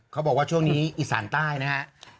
เขาบอกว่าช่วงนี้อีสานใต้นะครับ